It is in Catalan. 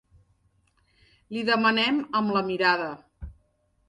Li demanem amb la mirada.